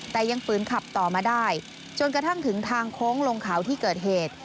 แต่ยังฝืนขับต่อมาได้จนกระทั่งถึงทางโค้งลงเขาที่เกิดเหตุ